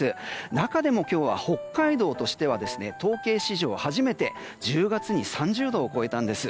中でも今日は北海道としては統計史上初めて１０月に３０度を超えたんです。